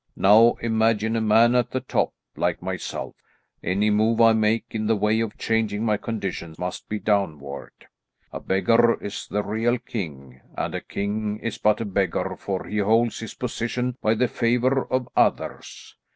Now imagine a man at the top, like myself; any move I make in the way of changing my condition must be downward. A beggar is the real king, and a king is but a beggar, for he holds his position by the favour of others.